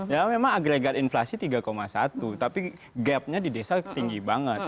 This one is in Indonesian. ya memang agregat inflasi tiga satu tapi gapnya di desa tinggi banget